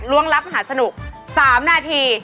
ร่วงรับมหาสนุก๓นาที